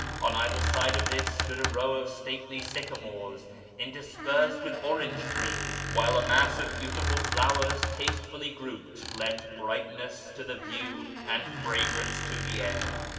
On either side of this stood a row of stately sycamores, inter spersed with orange trees, while a mass of beautiful flowers tastefully grouped lent brightness to the view and fragrance to the air.